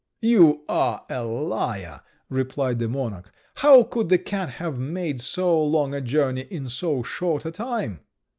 "You are a liar," replied the monarch; "how could the cat have made so long a journey in so short a time?"